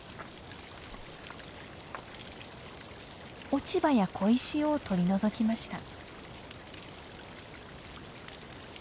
落ち葉や小石を取り除きました。